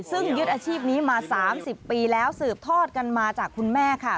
ซึ่งยึดอาชีพนี้มา๓๐ปีแล้วสืบทอดกันมาจากคุณแม่ค่ะ